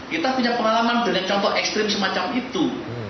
kita punya pengalaman dengan contoh ekstrim semacam itu